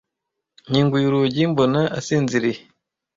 Nkinguye urugi, mbona asinziriye.